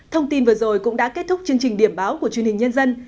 thông tin vừa rồi cũng đã kết thúc chương trình điểm báo của truyền hình nhân dân